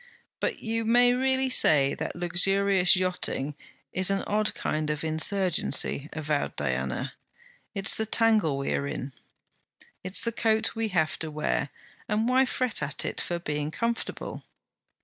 'But you may really say that luxurious yachting is an odd kind of insurgency,' avowed Diana. 'It's the tangle we are in.' 'It's the coat we have to wear; and why fret at it for being comfortable?'